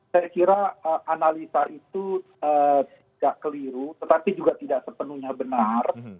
saya kira analisa itu tidak keliru tetapi juga tidak sepenuhnya benar